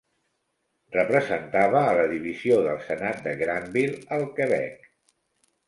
Representava a la divisió del Senat de Grandville, al Quebec.